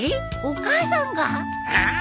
お母さんが？ああ。